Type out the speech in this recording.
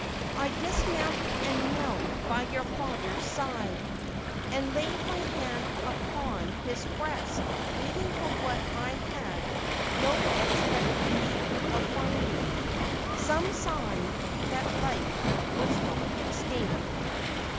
I dis mounted and knelt by your father's side, and laid my hand upon his breast, waiting for what I had no expectation of finding, some sign that life was not extinct.